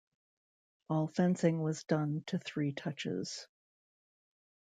All fencing was done to three touches.